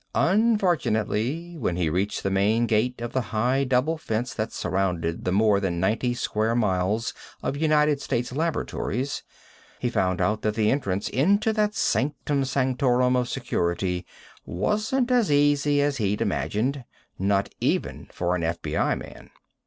Unfortunately, when he reached the main gate of the high double fence that surrounded the more than ninety square miles of United States Laboratories, he found out that entrance into that sanctum sanctorum of Security wasn't as easy as he'd imagined not even for an FBI man.